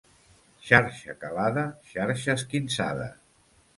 Xarxa calada, xarxa esquinçada.